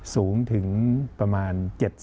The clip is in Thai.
สูงถึงประมาณ๗๐